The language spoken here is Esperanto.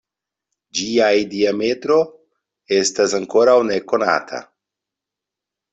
Ĝiaj diametro estas ankoraŭ nekonata.